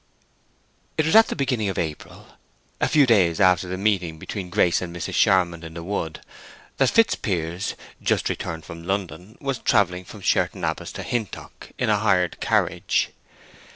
It was at the beginning of April, a few days after the meeting between Grace and Mrs. Charmond in the wood, that Fitzpiers, just returned from London, was travelling from Sherton Abbas to Hintock in a hired carriage.